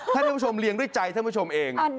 ท่านผู้ชมเลี้ยงด้วยใจท่านผู้ชมเอง